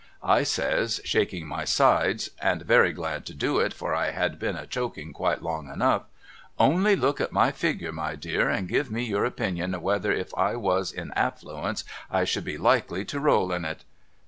I says shaking my sides (and very glad to do it for I had heen a choking quite long enough) ' Only look at my figure my dear and give me your opinion whether if I was in affluence I should be likely to roll in it